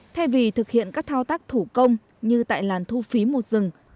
thay vì thực hiện các thao tác thủ công như tại làn thu phí một dừng